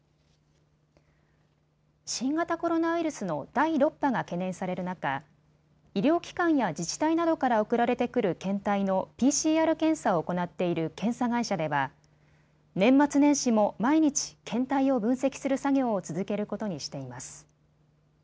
新型コロナウイルスの第６波が懸念される中、医療機関や自治体などから送られてくる検体のＰＣＲ検査を行っている検査会社では年末年始も毎日、検体を分析する作業を続けることにしています。